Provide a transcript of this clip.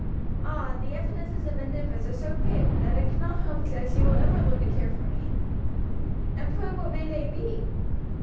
"Ah, the evidences of indifference are so patent that I cannot hope she will ever learn to care for me." "And pray what may they be?"